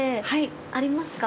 ありますか？